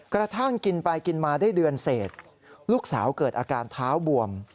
กระทั่งกินไปกินมาได้เดือนเศษลูกสาวเกิดอาการเท้าบวม